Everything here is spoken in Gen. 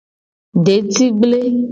Detigble.